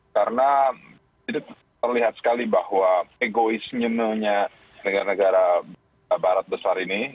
karena terlihat sekali bahwa egoisnya negara barat besar ini